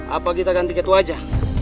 apa kita ganti itu aja